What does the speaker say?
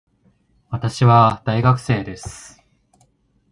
私は大学生です